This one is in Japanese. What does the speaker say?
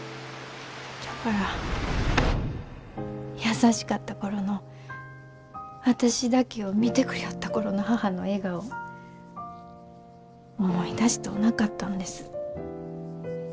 じゃから優しかった頃の私だけを見てくりょおった頃の母の笑顔を思い出しとうなかったんです。